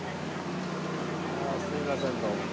ああすいませんどうも。